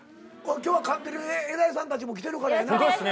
今日はカンテレで偉いさんたちも来てるからやな。